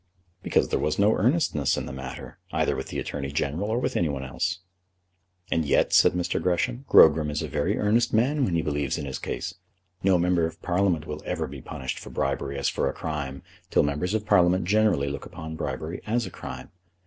"Because there was no earnestness in the matter, either with the Attorney General or with any one else." "And yet," said Mr. Gresham, "Grogram is a very earnest man when he believes in his case. No member of Parliament will ever be punished for bribery as for a crime till members of Parliament generally look upon bribery as a crime.